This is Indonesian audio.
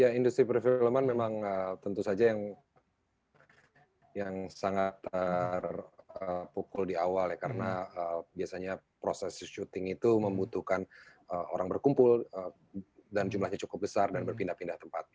ya industri perfilman memang tentu saja yang sangat terpukul di awal ya karena biasanya proses syuting itu membutuhkan orang berkumpul dan jumlahnya cukup besar dan berpindah pindah tempat